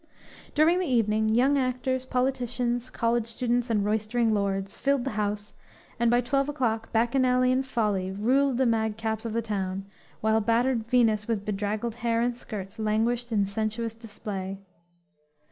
During the evening young actors, politicians, college students and roystering lords, filled the house and by twelve o'clock Bacchanalian folly ruled the madcaps of the town, while battered Venus with bedraggled hair and skirts languished in sensuous display.